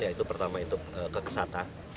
yaitu pertama itu kekesatan